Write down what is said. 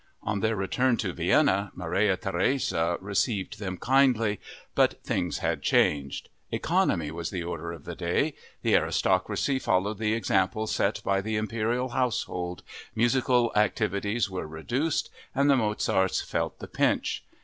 On their return to Vienna, Maria Theresia received them kindly, but things had changed. Economy was the order of the day: the aristocracy followed the example set by the imperial household, musical activities were reduced, and the Mozarts felt the pinch.